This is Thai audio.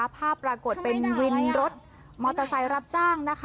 ปรากฏเป็นวินรถมอเตอร์ไซค์รับจ้างนะคะ